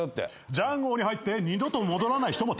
ジャンゴーに入って二度と戻らない人もたくさんいます。